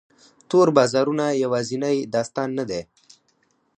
تور بازارونه یوازینی داستان نه دی.